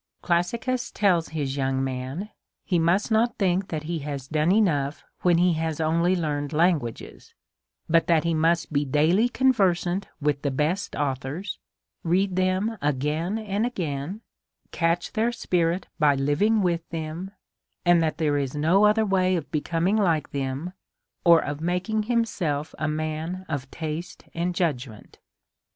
Classicus tells his young' man, he must not think that he has done enough when he has only learned languages, but that he must be daily conversant with the best authors, read them again and again, catch their spirit by living* with them, and that there is no other way of becoming like them, or of making him self a man of taste and judgment.